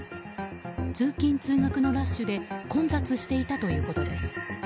通勤・通学のラッシュで混雑していたということです。